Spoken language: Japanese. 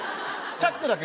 チャックだけ。